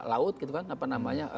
laut gitu kan apa namanya